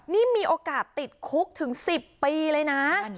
นี่มีโอกาสติดคุกถึง๑๐ปีเลยนะ